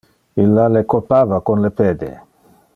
Illa le colpava con le pede.